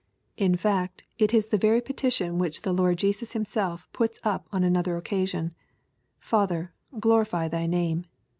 In fact, it is the very petition which the Lord Jesus Himself puts up on another oc casion, "Father, glorify thy name."